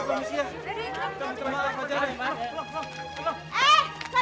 eh kalian semua jangan kabur dong